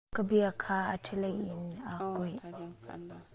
Ka bia kha a ṭha leiin aa kawih.